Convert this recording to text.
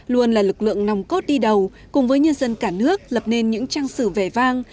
luôn là lực lượng nòng cốt đi đầu cùng với nhân dân cả nước lập nên những trang sử vẻ vang